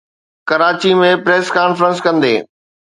Karachi ۾ press conference ڪندي